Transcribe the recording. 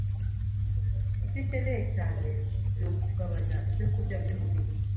Icyo ukeneye cyane ni ukugabanya ibyokurya by’umubiri